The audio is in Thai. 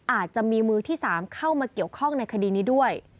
อาจจะมีมือที่๓เข้ามาเกี่ยวข้องในคดีนี้ด้วย